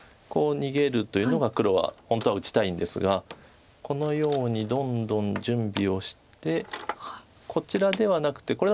こう逃げるというのが黒は本当は打ちたいんですがこのようにどんどん準備をしてこちらではなくて。